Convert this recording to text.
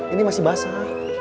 ini masih basah